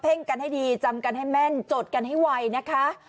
กันให้ดีจำกันให้แม่นจดกันให้ไวนะคะ